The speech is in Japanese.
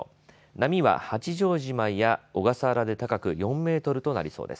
波は八丈島や小笠原で高く４メートルとなりそうです。